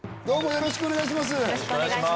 よろしくお願いします。